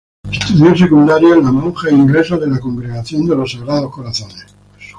Estudió la secundaria en las Monjas Inglesas de la Congregación de los Sagrados Corazones.